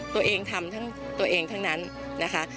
ตัวเองทำทั้งตัวเองทั้งนั้นนะคะ